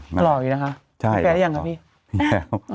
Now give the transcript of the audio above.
หล่อยนะคะไม่แปลได้ยังครับพี่